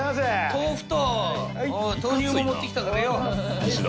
豆腐と豆乳も持ってきたからよ。